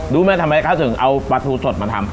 รู้ไหมทำไมเขาถึงเอาปลาทูสดมาทำ